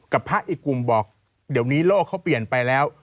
พระอีกกลุ่มบอกเดี๋ยวนี้โลกเขาเปลี่ยนไปแล้ว